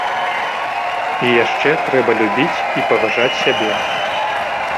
І яшчэ трэба любіць і паважаць сябе.